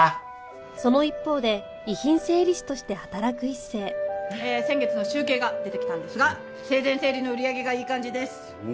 その一方で遺品整理士として働く一星えー先月の集計が出てきたんですが生前整理の売り上げがいい感じです。